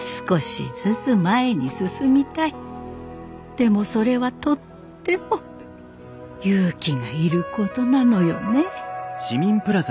でもそれはとっても勇気がいることなのよね。